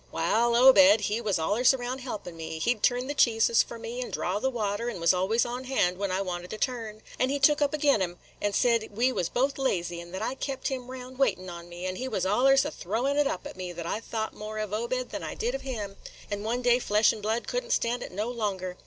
"Wal, Obed, he was allers round helpin' me, – he 'd turn the cheeses for me, and draw the water, and was always on hand when I wanted a turn. And he took up agin him, and said we was both lazy, and that I kept him round waitin' on me; and he was allers a throwin' it up at me that I thought more of Obed than I did of him; and one day flesh and blood could n't stan' it no longer.